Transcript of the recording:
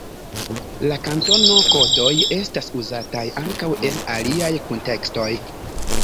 La kantono-kodoj estas uzataj ankaŭ en aliaj kuntekstoj.